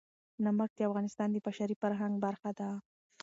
نمک د افغانستان د بشري فرهنګ برخه ده.